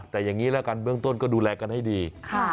แต่อย่างนี้แล้วกันเบื้องต้นก็ดูแลกันให้ดี